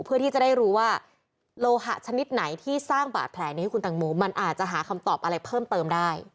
เพื่อที่จะได้รู้ว่าโลหะชนิดไหนที่สร้างบาดแผลนี้ให้คุณตังโมมันอาจจะหาคำตอบอะไรเพิ่มเติมได้